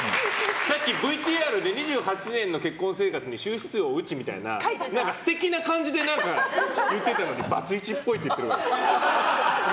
さっきＶＴＲで２８年の結婚生活に終止符を打ちみたいな素敵な感じで言ってたのにバツイチっぽいって言ってるから。